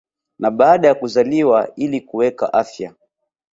na baada ya kuzaliwa ili kuweka afya